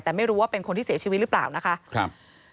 แต่ไม่รู้ว่าเป็นคนที่เสียชีวิตหรือเปล่านะคะครับ